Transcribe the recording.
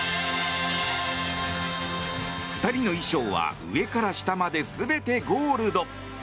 ２人の衣装は上から下まで全てゴールド！